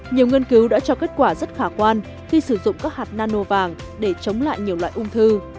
nhiều nghiên cứu đã cho kết quả rất khả quan khi sử dụng các hạt nano vàng để chống lại nhiều loại ung thư